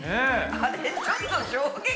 あれちょっと衝撃。